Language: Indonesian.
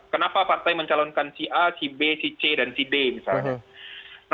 kenapa partai mencalonkan si a si b si c dan si b misalnya